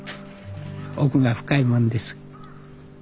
奥が深いもんです。